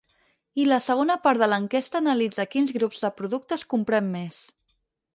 I la segona part de l’enquesta analitza quins grups de productes comprem més.